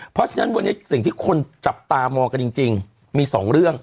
เพราะฉะนั้นวันนี้สิ่งที่คนจับตามองกันจริงมีสองเรื่อง